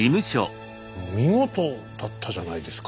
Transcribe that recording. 見事だったじゃないですか。